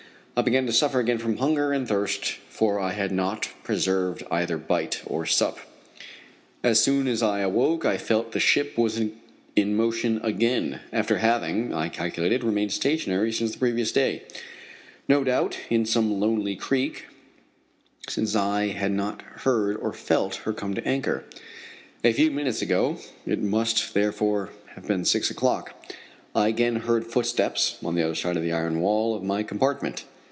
I began to suffer again from hunger and thirst, for I had not preserved either bite or sup. As soon as I awoke I felt that the ship was in motion again, after having, I calculated, remained stationary since the previous day no doubt in some lonely creek, since I had not heard or felt her come to anchor. A few minutes ago it must therefore have been six o'clock I again heard footsteps on the other side of the iron wall of my compartment.